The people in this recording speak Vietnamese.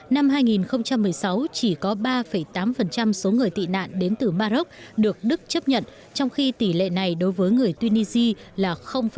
năm hai nghìn một mươi sáu chỉ có ba tám số người tị nạn đến từ maroc được đức chấp nhận trong khi tỷ lệ này đối với người tunisia là năm